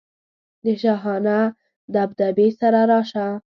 د شاهانه دبدبې سره راشه.